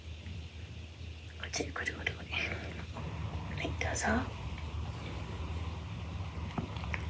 はいどうぞ。